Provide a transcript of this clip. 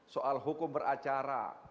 soal hukum beracara